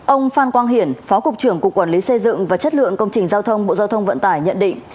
ông phan quang hiển phó cục trưởng cục quản lý xây dựng và chất lượng công trình giao thông bộ giao thông vận tải nhận định